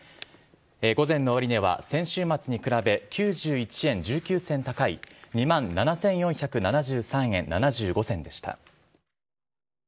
午前の終値は先週末に比べ、９１円１９銭高い、２万７４７３円７５銭でした。